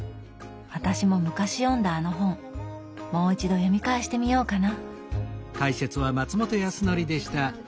私も昔読んだあの本もう一度読み返してみようかな。